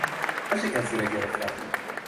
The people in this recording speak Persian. مچ کسی را گرفتن